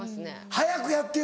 「早くやってよ」